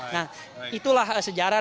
nah itulah sejarah